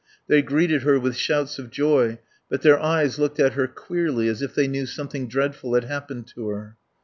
They greeted her with shouts of joy, but their eyes looked at her queerly, as if they knew something dreadful had happened to her.